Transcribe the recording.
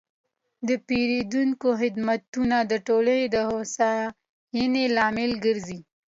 د پیرودونکو خدمتونه د ټولنې د هوساینې لامل ګرځي.